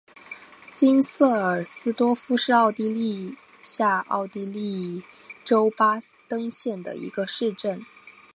金瑟尔斯多夫是奥地利下奥地利州巴登县的一个市镇。